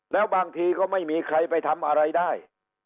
แล้วบางทีก็ไม่มีใครไปทำอะไรได้